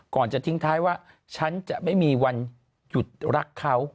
ก่อนจะทิ้งท้ายว่าฉันจะไม่มีวันหยุดรักเขา